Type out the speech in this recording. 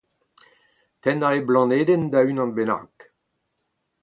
tennañ e blanedenn da unan bennak